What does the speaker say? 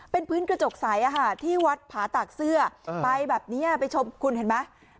เป็นพื้นกระจกใสที่วัดผาตากเสื้อไปแบบนี้ไปชมคุณเห็นไหม